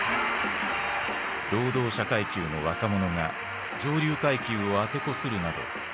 労働者階級の若者が上流階級をあてこするなど前代未聞だった。